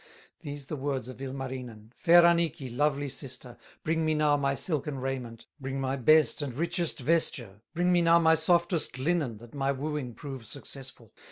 These the words of Ilmarinen: "Fair Annikki, lovely sister, Bring me now my silken raiment, Bring my best and richest vesture, Bring me now my softest linen, That my wooing prove successful."